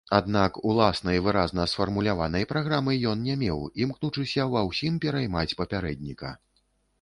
Аднак, уласнай выразна сфармуляванай праграмы ён не меў, імкнучыся ва ўсім пераймаць папярэдніка.